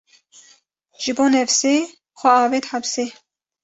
Ji bo nefsê, xwe avêt hepsê